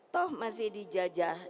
toh masih dijajah